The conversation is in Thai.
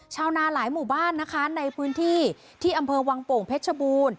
ชาวนาหลายหมู่บ้านนะคะในพื้นที่ที่อำเภอวังโป่งเพชรบูรณ์